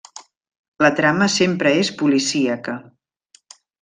La trama sempre és policíaca.